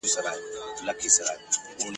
آیا بیرغچي سخت زخمي وو؟